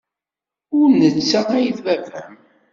Ur d netta ay d baba-m.